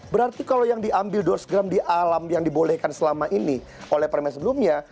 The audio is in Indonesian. berarti kalau yang diambil dua ratus gram di alam yang dibolehkan selama ini oleh permen sebelumnya